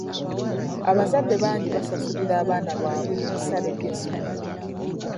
Abazadde bangi baasasulira abaana baabwe ebisale by'essomero.